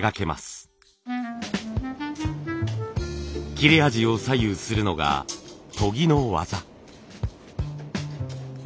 切れ味を左右するのが研ぎの技。